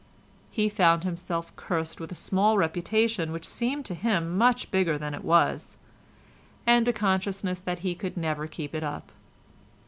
He found himself cursed with a small reputation which seemed to him much bigger than it was, and a consciousness that he could never keep it up.